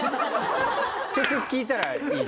直接聞いたらいいし。